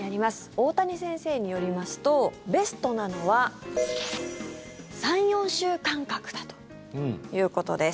大谷先生によりますとベストなのは３４週間隔だということです。